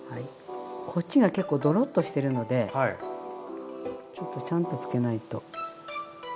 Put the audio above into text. こっちが結構ドロッとしてるのでちょっとちゃんとつけないと。